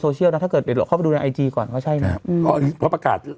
เชียลนะถ้าเกิดเดี๋ยวเข้าไปดูในไอจีก่อนว่าใช่ไหมเพราะประกาศ